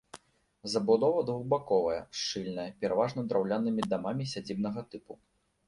Забудова двухбаковая, шчыльная, пераважна драўлянымі дамамі сядзібнага тыпу.